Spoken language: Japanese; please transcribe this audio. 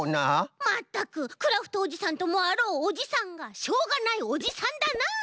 まったくクラフトおじさんともあろうおじさんがしょうがないおじさんだなあ！